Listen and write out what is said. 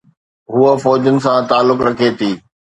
هوءَ فوجن سان تعلق رکي ٿي.